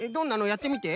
やってみて。